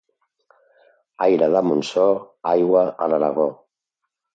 Aire de Montsó, aigua a l'Aragó.